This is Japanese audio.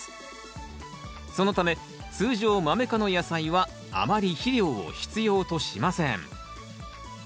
そのため通常マメ科の野菜はあまり肥料を必要としません。